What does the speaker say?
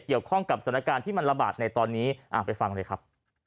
เกี่ยวข้องกับสถานการณ์ที่มันระบาดในตอนนี้ไปฟังเลยครับ